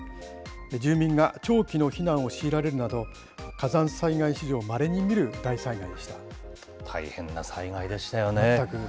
住民が長期の避難を強いられるなど、火山災害史上まれに見る大災大変な災害でしたよね。